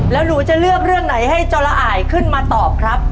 แล้วหนูจะเลือกเรื่องไหนให้จอละอายขึ้นมาตอบครับ